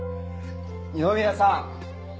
二宮さん！